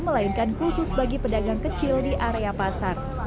melainkan khusus bagi pedagang kecil di area pasar